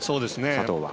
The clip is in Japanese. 佐藤は。